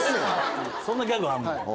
そんなギャグあんの。